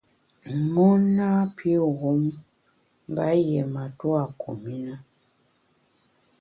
Mon napi wum mba yié matua kum i na.